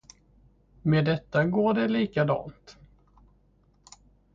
Med detta går det likadant.